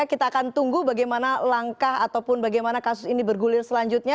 kita akan tunggu bagaimana langkah ataupun bagaimana kasus ini bergulir selanjutnya